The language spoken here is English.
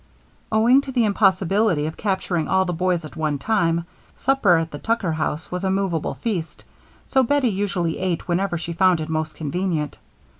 Owing to the impossibility of capturing all the boys at one time, supper at the Tucker house was a movable feast, so Bettie usually ate whenever she found it most convenient.